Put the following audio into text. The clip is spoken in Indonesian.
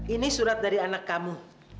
ini surat dari anak kamu